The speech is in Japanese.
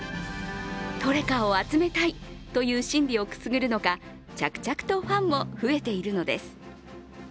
トレカを集めたいという心理をくすぐるのか着々とファンも増えているのです。